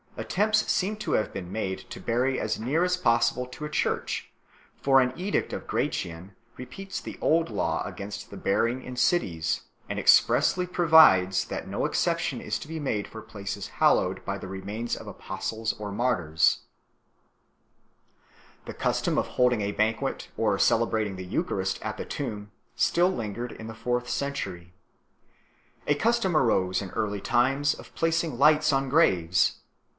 attempts seem to have been made to bury as near as possi ble to a church, for an edict of Gratian repeats the old law against burying in cities, and expressly provides that no exception is to be made for places hallowed by the remains of apostles or martyrs \ The custom of holding a banquet, or celebrating the Eucharist at the tomb a , still lingered in the fourth century. A custom arose in early times of placing lights on graves.